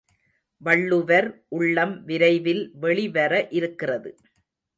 வள்ளுவர் உள்ளம் விரைவில் வெளிவர இருக்கிறது.